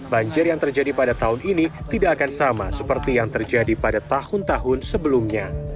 banjir yang terjadi pada tahun ini tidak akan sama seperti yang terjadi pada tahun tahun sebelumnya